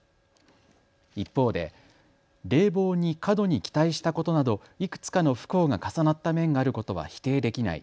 一方で冷房に過度に期待したことなど、いくつかの不幸が重なった面があることは否定できない。